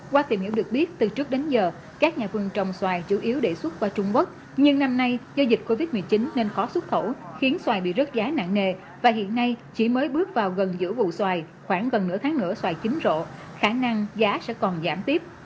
qua tìm hiểu được biết từ trước đến giờ các nhà vườn trồng xoài chủ yếu để xuất qua trung quốc nhưng năm nay do dịch covid một mươi chín nên khó xuất khẩu khiến xoài bị rớt giá nặng nề và hiện nay chỉ mới bước vào gần giữa vụ xoài khoảng gần nửa tháng nữa xoài chín rộ khả năng giá sẽ còn giảm tiếp